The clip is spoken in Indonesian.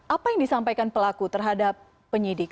apa yang disampaikan pelaku terhadap penyidik